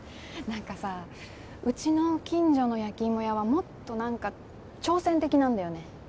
何かさうちの近所の焼き芋屋はもっと何か挑戦的なんだよね。